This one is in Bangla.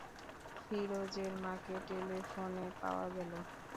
ফিরোজের মাকে টেলিফোনে পাওয়া গেল।